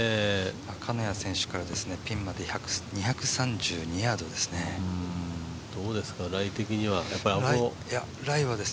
金谷選手からピンまで２３２ヤードになります。